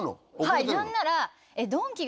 はい何なら。